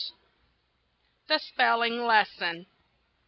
THE SPELLING LESSON.